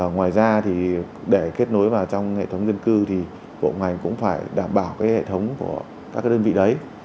ngoài ra thì để kết nối vào trong hệ thống dân cư thì bộ ngành cũng phải đảm bảo hệ thống của các đơn vị đấy